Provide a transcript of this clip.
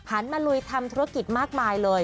หันมาลุยทำธุรกิจมากมายเลย